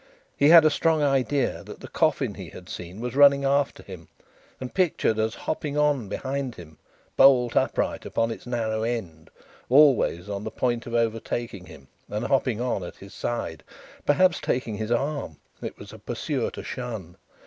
He had a strong idea that the coffin he had seen was running after him; and, pictured as hopping on behind him, bolt upright, upon its narrow end, always on the point of overtaking him and hopping on at his side perhaps taking his arm it was a pursuer to shun.